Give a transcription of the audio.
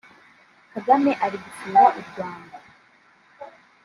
Kagame ari gusura u Rwanda